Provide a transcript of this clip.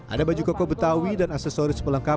ada baju koko betawi dan aksesoris pelengkap